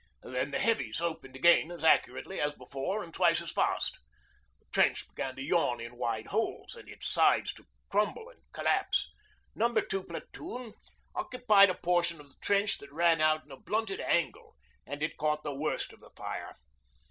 Then the heavies opened again as accurately as before and twice as fast. The trench began to yawn in wide holes, and its sides to crumble and collapse. No. 2 Platoon occupied a portion of the trench that ran out in a blunted angle, and it caught the worst of the fire.